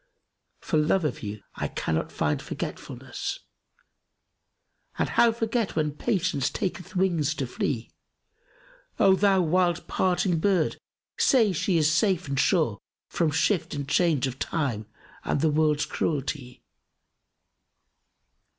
For love of you I cannot find forgetfulness; * And how forget when Patience taketh wings to flee? O thou wild parting bird[FN#276] say is she safe and sure * From shift and change of time and the world's cruelty?"